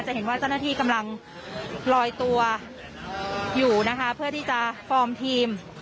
เห็นว่าเจ้าหน้าที่กำลังลอยตัวอยู่นะคะเพื่อที่จะฟอร์มทีม